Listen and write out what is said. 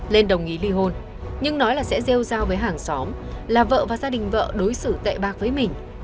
lên đồng ý ly hôn nhưng nói là sẽ rêu giao với hàng xóm là vợ và gia đình vợ đối xử tệ bạc với mình